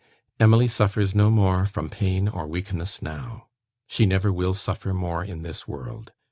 "Emily suffers no more from pain or weakness now. She never will suffer more in this world.